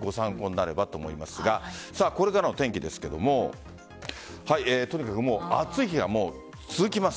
ご参考になればと思いますがこれからの天気ですがとにかく暑い日が続きます。